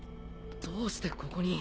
どうしてここに？